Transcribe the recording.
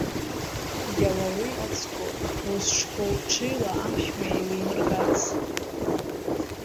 Иауауеи ацгәы, узҿқәоу ҽеила аԥшәма еилимыргац.